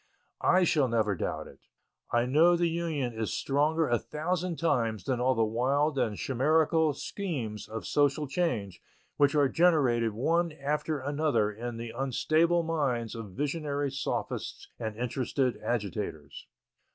I shall never doubt it. I know that the Union is stronger a thousand times than all the wild and chimerical schemes of social change which are generated one after another in the unstable minds of visionary sophists and interested agitators.